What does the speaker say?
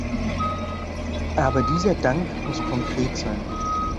Aber dieser Dank muss konkret sein.